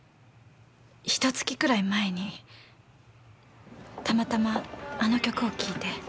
ひと月くらい前にたまたまあの曲を聴いて。